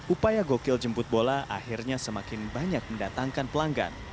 upaya gokil jemput bola akhirnya semakin banyak mendatangkan pelanggan